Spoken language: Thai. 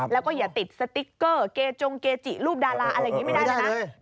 แล้วก็อย่าติดสติ๊กเกอร์เกจงเกจิรูปดาราอะไรอย่างนี้ไม่ได้แล้วนะ